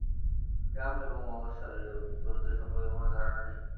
গ্রাম এবং মফস্বলের লোকদের দূরত্ব সম্পর্কে কোনো ধারণা নেই।